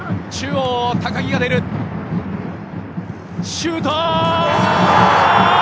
シュート！